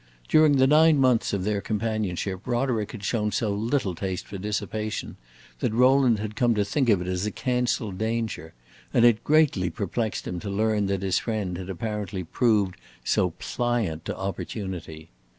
During the nine months of their companionship Roderick had shown so little taste for dissipation that Rowland had come to think of it as a canceled danger, and it greatly perplexed him to learn that his friend had apparently proved so pliant to opportunity.